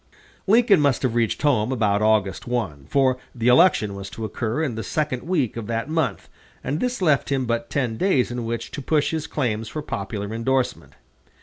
Lincoln must have reached home about August 1, for the election was to occur in the second week of that month, and this left him but ten days in which to push his claims for popular indorsement.